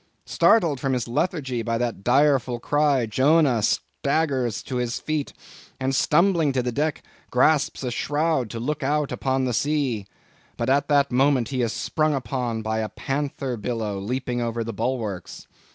Startled from his lethargy by that direful cry, Jonah staggers to his feet, and stumbling to the deck, grasps a shroud, to look out upon the sea. But at that moment he is sprung upon by a panther billow leaping over the bulwarks.